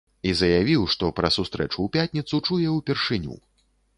І заявіў, што пра сустрэчу ў пятніцу, чуе ў першыню.